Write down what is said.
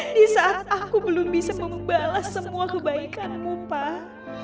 di saat aku belum bisa membalas semua kebaikanmu pak